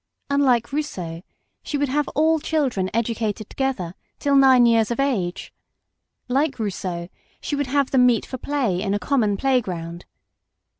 Unlike Rousseau, she would have all children educated together till nine years of age ; like Rousseau, she would have them meet for play in a common play ground.